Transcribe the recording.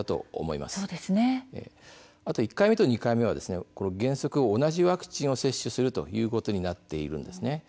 また１回目と２回目は原則同じワクチンを接種することになっているんです。